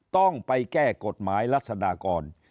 ต้องไปแก้กฎหมายรัฐธาตุกรณ์